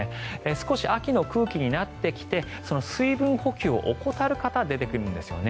少し秋の空気になってきて水分補給を怠る方出てくるんですよね。